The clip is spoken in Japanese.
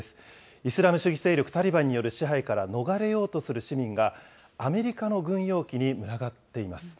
イスラム主義勢力タリバンによる支配から逃れようとする市民が、アメリカの軍用機に群がっています。